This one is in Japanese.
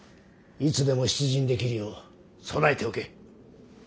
いつでも出陣できるよう備えておけ。